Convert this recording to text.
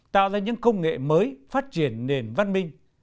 tạo ra những công nghệ mới phát triển nền văn minh